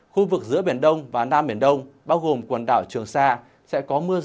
khu vực giữa biển đông và nam biển đông bao gồm quần đảo trường sa sẽ có mưa rào